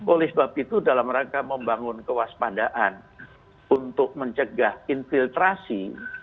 oleh sebab itu dalam rangka membangun kewaspadaan untuk mencegah infiltrasi